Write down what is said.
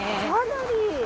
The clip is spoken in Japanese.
かなり。